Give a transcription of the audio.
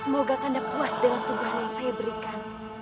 semoga anda puas dengan sumpahan yang saya berikan